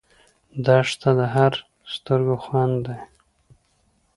دښته د هر سترګو خوند دی.